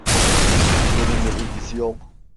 Benimle ilgisi yok.